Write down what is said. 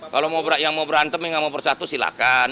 kalau yang mau berantem yang gak mau bersatu silahkan